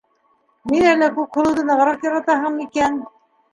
Мин әллә Күкһылыуҙы нығыраҡ яратаһың микән